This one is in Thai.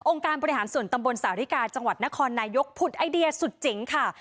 การบริหารส่วนตำบลสาวิกาจังหวัดนครนายกผุดไอเดียสุดเจ๋งค่ะ